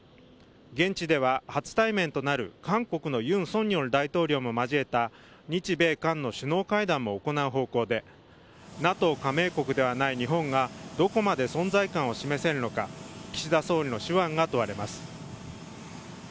現地では初対面となる韓国の尹錫悦による大統領も交えた日米韓の首脳会談も行う方向でＮＡＴＯ加盟国ではない日本がどこまで存在感を示せるのか岸田総理の手腕が問われます。